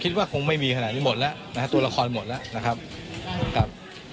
คิดว่าคงไม่มีขนาดนี้หมดแล้วนะฮะตัวละครหมดแล้วนะครับครับ